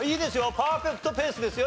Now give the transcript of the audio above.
パーフェクトペースですよ